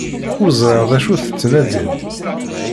Ur ẓriɣ d acu tettnadim.